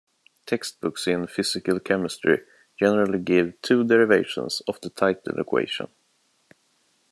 Textbooks in physical chemistry generally give two derivations of the title equation.